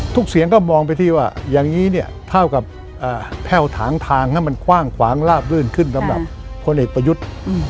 เสียงก็มองไปที่ว่าอย่างนี้เนี่ยเท่ากับแพ่วถางทางให้มันกว้างขวางลาบลื่นขึ้นสำหรับพลเอกประยุทธ์